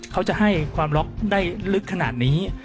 เขาจะให้ความล็อกได้ลึกขนาดนี้